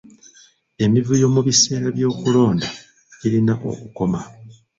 Emivuyo mu biseera by'okulonda girina okukoma.